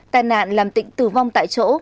tai nạn làm tịnh tử vong tại chỗ